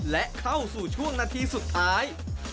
และเข้าสู่ช่วงนาทีสุดท้าย